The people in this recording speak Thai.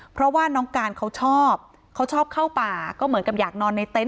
เพราะว่าน้องการเขาชอบเขาชอบเข้าป่าก็เหมือนกับอยากนอนในเต็นต